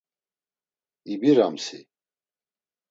İbiramsi?